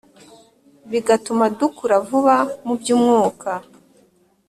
bigatuma dukura vuba mubyumwuka